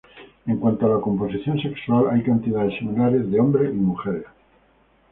En cuanto a la composición sexual, hay cantidades similares de hombres y mujeres.